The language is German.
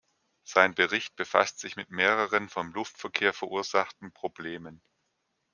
Sein Bericht befasst sich mit mehreren vom Luftverkehr verursachten Problemen.